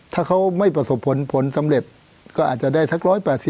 ถ้าเขาไม่ประสบผลผลสำเร็จก็อาจจะได้สัก๑๘๐